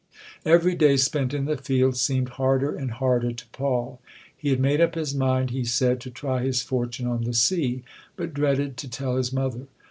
Every day spent in the field seemed harder and harder to Paul. He had made up his mind, he said, to try his fortune on the sea, but dreaded to tell his mother.